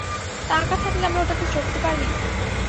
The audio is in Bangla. টাকা থাকলে আমরা ওটাতে চড়তে পারি?